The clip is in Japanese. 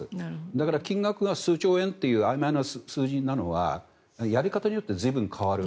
だから、金額が数兆円というあいまいな数字なのはやり方によって随分変わる。